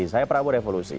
saya prabu revolusi